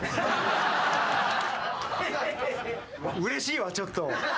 うれしいわちょっと。